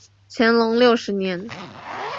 乾隆六十年。